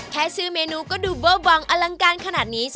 แค่ชื่อเมนูก็ดูเบอร์วังอลังการขนาดนี้